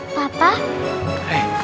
pemburu berhenti masuk